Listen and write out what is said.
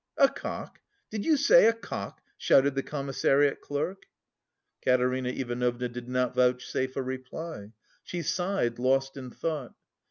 "A cock? Did you say a cock?" shouted the commissariat clerk. Katerina Ivanovna did not vouchsafe a reply. She sighed, lost in thought.